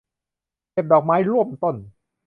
เก็บดอกไม้ร่วมต้น